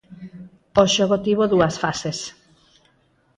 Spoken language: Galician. O xogo tivo dúas fases.